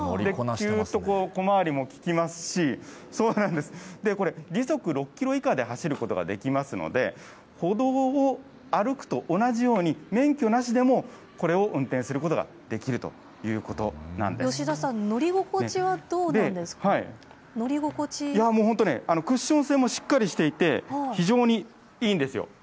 ぴゅーっと小回りも利きますし、そうなんです、これ、時速６キロ以下で走ることができますので、歩道を歩くと同じように、免許なしでもこれを運転することができるという吉田さん、乗り心地はどうなもう、本当ね、クッション性もしっかりしていて、非常にいいんですよ。